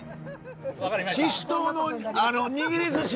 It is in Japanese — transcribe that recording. ししとうの握りずし！